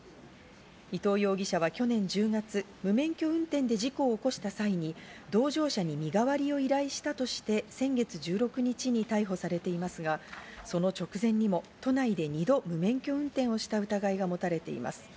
伊藤容疑者は去年１０月、無免許運転で事故を起こした際に同乗者に身代わりを依頼したとして先月１６日に逮捕されていますが、その直前にも都内で２度、無免許運転をした疑いが持たれています。